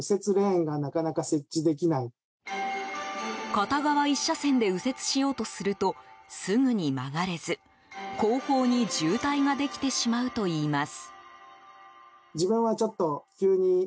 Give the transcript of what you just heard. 片側１車線で右折しようとするとすぐに曲がれず、後方に渋滞ができてしまうといいます。